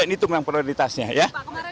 pasti dan itu memang prioritasnya ya